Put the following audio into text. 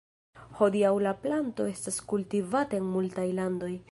Hodiaŭ la planto estas kultivata en multaj landoj.